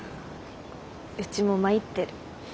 うちも参ってる。